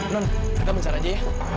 nenek kita mencar aja ya